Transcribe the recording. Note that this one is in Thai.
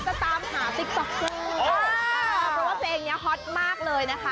เพราะว่าเพลงนี้ฮอตมากเลยนะคะ